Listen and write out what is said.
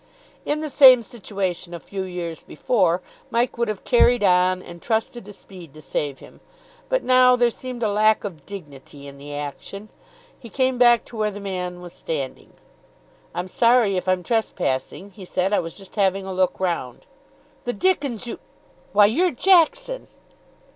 In the same situation a few years before, Mike would have carried on, and trusted to speed to save him. But now there seemed a lack of dignity in the action. He came back to where the man was standing. "I'm sorry if I'm trespassing," he said. "I was just having a look round." "The dickens you Why, you're Jackson!"